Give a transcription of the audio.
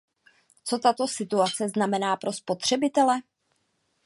Co tato situace znamená pro spotřebitele?